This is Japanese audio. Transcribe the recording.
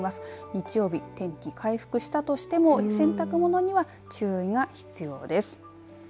日曜日、天気、回復したとしても洗濯物には注意が必要です。